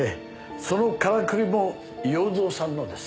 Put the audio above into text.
そのカラクリも洋蔵さんのです。